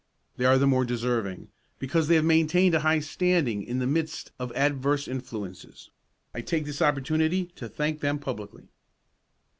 They are the more deserving, because they have maintained a high standing in the midst of adverse influences. I take this opportunity to thank them publicly.